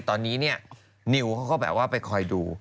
ตอนนี้เนี่ยนิวเขาก็แบบว่าไปคอยดู